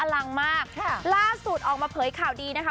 อรั่างมากใช่ล่าสุติออกมาเผยก่อค่าวดีนะคะ